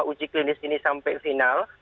selesaikan dulu sebuah uji klinis ini sampai final